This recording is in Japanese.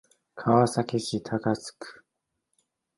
川崎市高津区